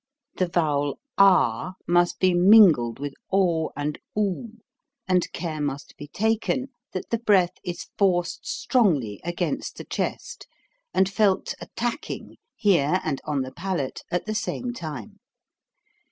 The vowel ah must be mingled with o and 00, and care must be taken that the breath is forced strongly against the chest, and felt attacking here and on the palate at the same tune.